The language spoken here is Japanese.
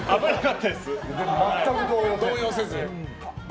全く動揺せず。